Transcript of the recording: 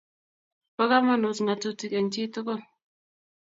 Pa kamanut ngatutik eng chii tugul